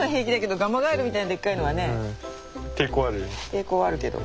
抵抗はあるけど。